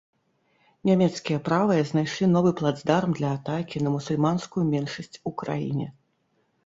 Нямецкія правыя знайшлі новы плацдарм для атакі на мусульманскую меншасць у краіне.